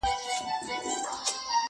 توبه ګاره له توبې یم، پر مغان غزل لیکمه،